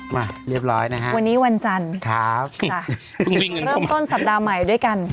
มาเรียบร้อยนะครับวันนี้วันจันทร์เริ่มต้นสัปดาห์ใหม่ด้วยกัน